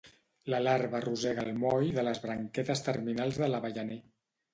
La larva rosega el moll de les branquetes terminals de l'avellaner.